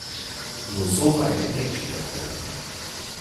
Nur so weit denkt wieder keiner.